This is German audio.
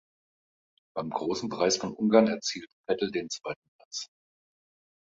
Beim Großen Preis von Ungarn erzielte Vettel den zweiten Platz.